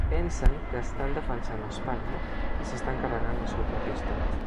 Pensen que estan defensant Espanya i s’estan carregant el seu propi estat.